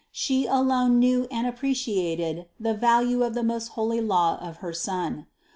She alone knew and appreciated the value of the most holy law of her Son.